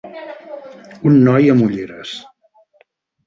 Un noi amb ulleres.